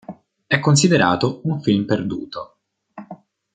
È considerato un film perduto.